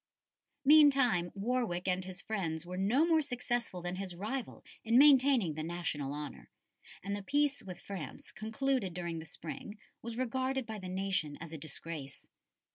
Meantime Warwick and his friends were no more successful than his rival in maintaining the national honour, and the peace with France concluded during the spring was regarded by the nation as a disgrace.